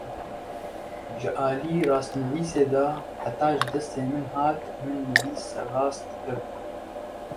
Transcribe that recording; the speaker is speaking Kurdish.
Ji alî rastnivîsê de heta ji destê min hat, min nivîs sererast kir